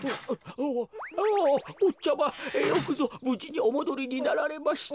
おぉぼっちゃまよくぞぶじにおもどりになられました。